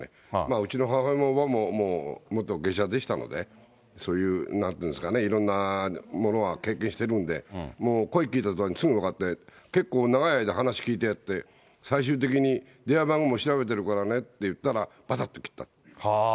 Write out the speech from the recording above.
うちの母親も元芸者でしたので、そういうなんていうんですかね、いろんなものは経験してるんで、もう、声聞いた途端にすぐ分かって結構、長い間話聞いてやって、最終的に電話番号を調べてるからねって言ったら、はあ。